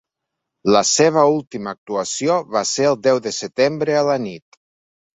La seva última actuació va ser el deu de setembre a la nit.